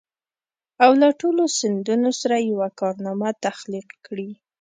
او له ټولو سندونو سره يوه کارنامه تخليق کړي.